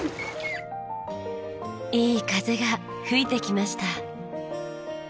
いい風が吹いてきました。